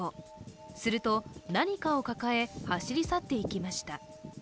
すると、何かを抱え走り去っていきました。